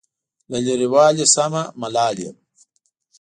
له لرې والي سمه ملال یم.